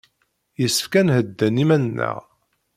Yessefk ad nhedden iman-nneɣ.